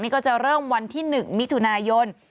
ก็จะเริ่มวันที่๑มิถุนายน